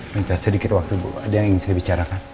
minta sedikit waktu bu ada yang ingin saya bicarakan